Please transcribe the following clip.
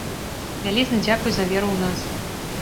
Вялізны дзякуй за веру ў нас.